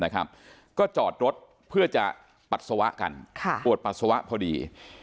ก็จอดรถเพื่อจะปัสสาวะกันปวดปัสสาวะพอดี